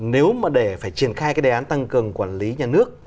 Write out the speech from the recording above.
nếu mà để phải triển khai cái đề án tăng cường quản lý nhà nước